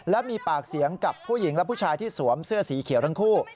และมีปากเสียงกับผู้หญิงและผู้ชายที่สวมเสื้อสีเขียวทั้งคู่